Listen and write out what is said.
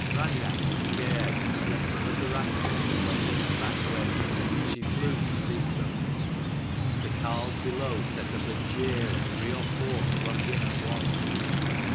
Raineach was scared lest some of the rascals had got in the back way, and she flew to seek them. The carles below set up a jeer, and three or four flung in at once.